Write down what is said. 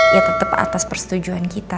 ya tetap atas persetujuan kita